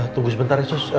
tunggu sebentar ya sus